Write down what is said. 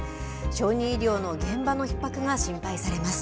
小児医療の現場のひっ迫が心配されます。